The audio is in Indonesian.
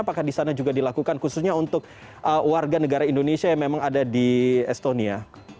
apakah di sana juga dilakukan khususnya untuk warga negara indonesia yang memang ada di estonia